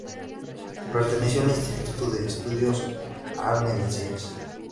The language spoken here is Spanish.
Perteneció al Instituto de Estudios Almerienses.